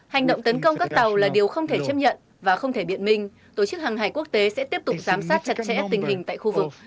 hành động tấn công các tàu là điều không thể chấp nhận và không thể biện minh tổ chức hàng hải quốc tế sẽ tiếp tục giám sát chặt chẽ tình hình tại khu vực